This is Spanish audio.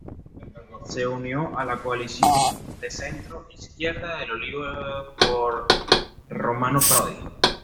Se unió a la coalición de centro izquierda El Olivo liderada por Romano Prodi.